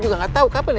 juga gak tahu kapan ya